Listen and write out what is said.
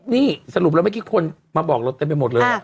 นี่สรุปแล้วเมื่อกี้คนมาบอกเราเต็มไปหมดเลย